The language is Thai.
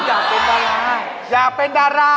โอ้โฮอยากเป็นดารา